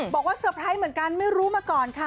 บอกว่าเซอร์ไพรส์เหมือนกันไม่รู้มาก่อน